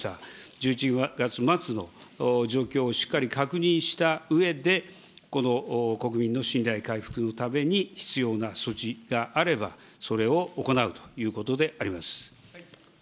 １１月末の状況をしっかり確認したうえで、この国民の信頼回復のために必要な措置があれば、それを行うということであります。